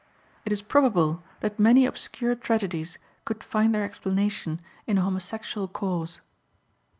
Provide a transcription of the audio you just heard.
It is probable that many obscure tragedies could find their explanation in a homosexual cause.